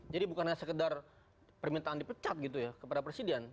jadi bukan hanya sekedar permintaan dipecat gitu ya kepada presiden